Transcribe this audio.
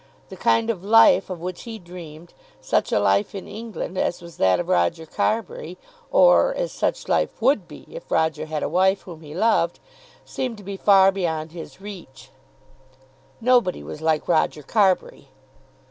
The kind of life of which he dreamed, such a life in England as was that of Roger Carbury, or, as such life would be, if Roger had a wife whom he loved, seemed to be far beyond his reach. Nobody was like Roger Carbury!